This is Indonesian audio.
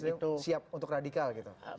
muslim itu siap untuk radikal gitu